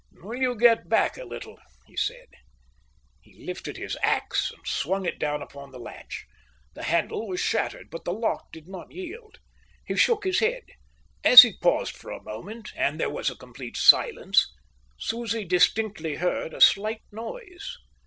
"Will you get back a little," he said. He lifted his axe and swung it down upon the latch. The handle was shattered, but the lock did not yield. He shook his head. As he paused for a moment, an there was a complete silence, Susie distinctly heard a slight noise.